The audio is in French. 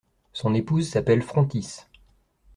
Son épouse s'appelle Phrontis.